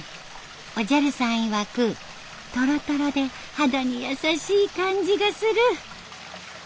おじゃる☆さんいわく「トロトロで肌にやさしい感じがする」。